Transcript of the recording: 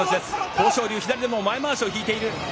豊昇龍、左でも前まわしを引いている。